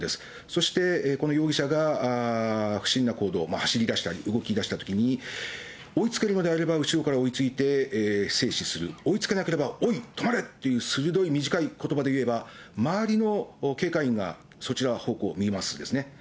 そしてこの容疑者が不審な行動、走りだしたり、動きだしたときに、追いつけるのであれば、後ろから追いついて制止する、追いつけなければ、おい、止まれという、鋭い短いことばで言えば、周りの警戒員がそちらの方向を見ますですね。